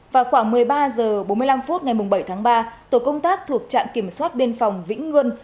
vào khoảng một mươi ba h bốn mươi năm ngày bảy tháng ba tổ công tác thuộc trạng kiểm soát biên phòng vĩnh nguân